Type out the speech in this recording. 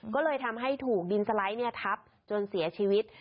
ก็เลยทำให้ถูกดินสไลด์ทับจนเสียชีวิต